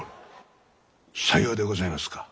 さようでございますか。